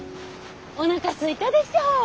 おなかすいたでしょ。